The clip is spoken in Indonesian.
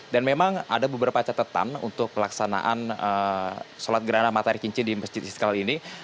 dan memang ada beberapa catatan untuk pelaksanaan sholat gerhana matahari cincin di masjid istiqlal ini